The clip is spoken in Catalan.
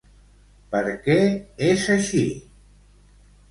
Per què és així?